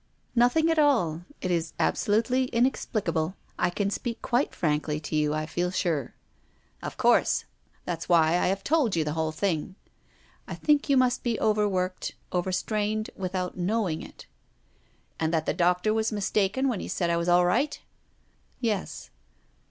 " Nothing at all. It is absolutely inexplicable. I can speak quite frankly to you, I feel sure." "Of course. That's why I have told you the whole thing." " I think you must be over worked, over strained, without knowing it." " And that the doctor was mistaken when he said I was all right ?" "Yes."